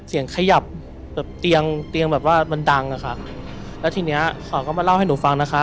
ขยับแบบเตียงเตียงแบบว่ามันดังอะค่ะแล้วทีเนี้ยเขาก็มาเล่าให้หนูฟังนะคะ